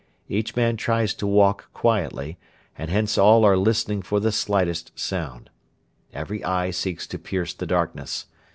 Each man tries to walk quietly, and hence all are listening for the slightest sound. Every eye seeks to pierce the darkness.